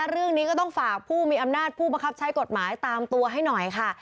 เรื่องนี้ก็ต้องฝากผู้มีอำนาจผู้บังคับใช้กฎหมายตามตัวให้หน่อยค่ะ